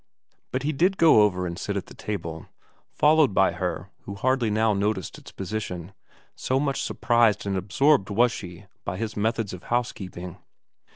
VERA 267 But he did go over and sit down at the table, followed by her who hardly now noticed its position, so much surprised and absorbed was she by his methods of housekeeping.